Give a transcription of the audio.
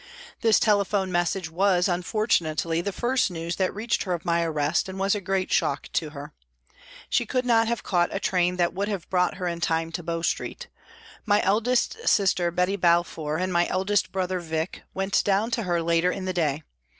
This telephone message was, unfortunately, the first news that reached her of my arrest, and was a great shock to her. She could not have caught a train that would have brought her in time to Bow Street ; my eldest sister, Betty Balf our, and my eldest brother, Vic, went down to her later in the day.